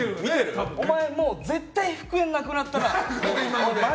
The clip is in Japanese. お前、もう絶対復縁なくなったな。